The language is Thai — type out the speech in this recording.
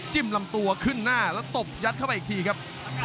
ลำตัวขึ้นหน้าแล้วตบยัดเข้าไปอีกทีครับ